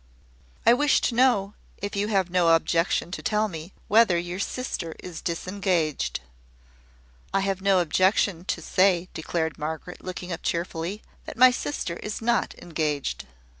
"I wish to know, if you have no objection to tell me, whether your sister is disengaged." "I have no objection to say," declared Margaret, looking up cheerfully, "that my sister is not engaged."